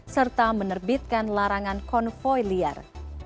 serta menerbitkan larangan konvoy liar